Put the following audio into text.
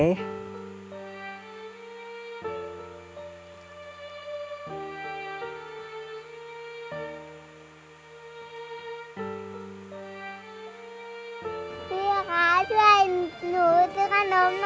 พี่คะช่วยหนูซื้อขนมหน่อยค่ะ